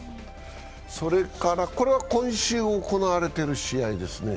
それから、これは今週行われている試合ですね。